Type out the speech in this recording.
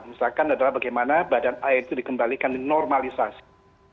misalkan adalah bagaimana badan air itu dikembalikan di normalisasi